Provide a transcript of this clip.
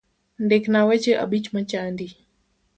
Ndikna weche abich machandi